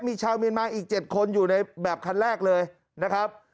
มีชาวเมียนมาอีก๗คนอยู่ในแบบคันแรกเลยนะครับ